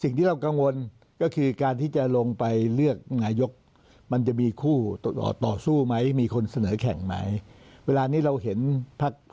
สิ่งที่เรากังวลก็คือการที่จะลงไปเลือกหน่ายก